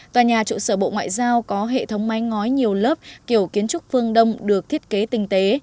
tòa nhà trụ sở bộ ngoại giao có hệ thống mái ngói nhiều lớp kiểu kiến trúc phương đông được thiết kế tinh tế